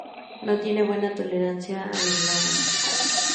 No tiene buena tolerancia a heladas.